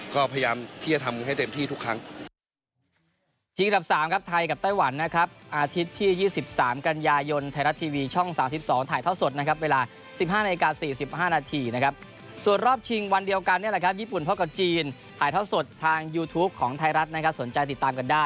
ก็พยายามที่จะทำให้เต็มที่ทุกครั้ง